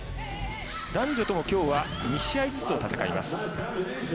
男女ともきょうは２試合ずつを戦います。